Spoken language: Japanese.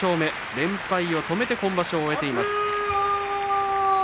連敗を止めて今場所終えています。